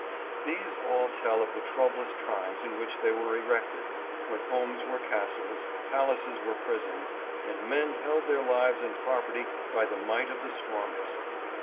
These all tell of the troublous times in which they were erected, when homes were castles, palaces were prisons, and men held their lives and property by the might of the strongest.